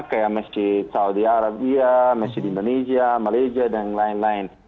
kayak masjid saudi arabia masjid indonesia malaysia dan lain lain